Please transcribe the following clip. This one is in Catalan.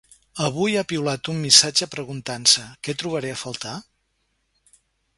Avui ha piulat un missatge preguntant-se: Què trobaré a faltar?